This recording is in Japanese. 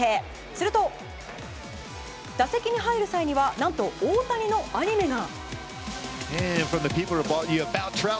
すると、打席に入る際には何と大谷のアニメが。